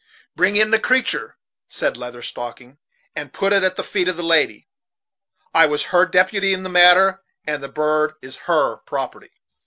"Bring in the creatur'," said Leather Stocking, "and put it at the feet of the lady. I was her deputy in the matter, and the bird is her property."